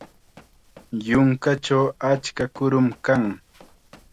Yunkachaw achka kurum kan.